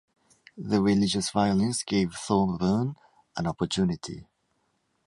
The religious violence gave Thorburn an opportunity.